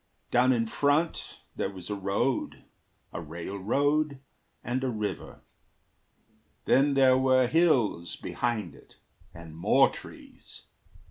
Down in front There was a road, a railroad, and a river; Then there were hills behind it, and more trees.